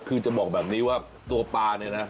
คือจะบอกแบบนี้ว่าตัวปลาเนี่ยนะ